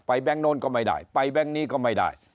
แก๊งโน้นก็ไม่ได้ไปแบงค์นี้ก็ไม่ได้